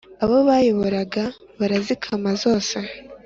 abo bayoboraga barazikama zose